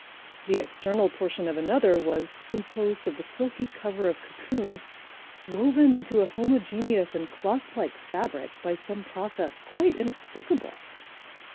The external portion of another was "composed of the silky cover of cocoons, woven into a homogeneous and clothlike fabric, by some process quite inexplicable."